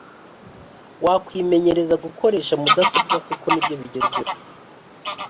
wakwimenyereza gukoresha mudasobwa kuko nibyo bigezweho